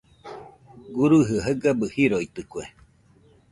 Guruji jaigabɨ jiroitɨkue.